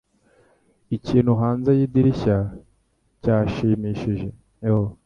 Ikintu hanze yidirishya cyashimishije